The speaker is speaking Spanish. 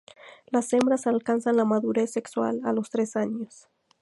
Las hembras alcanzan la madurez sexual a los tres años.